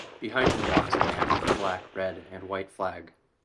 Behind him walks a man with a black, red, and white flag.